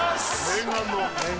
念願の。